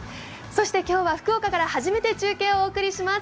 今日は福岡から初めて中継をお送りします。